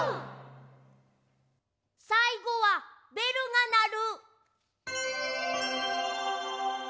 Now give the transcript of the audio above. さいごは「べるがなる」。